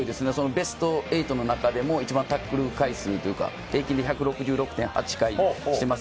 ベスト８の中でも一番タックル回数、平均で１６６．８回しています。